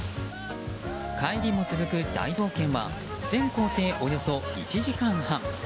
帰りも続く大冒険は全行程およそ１時間半。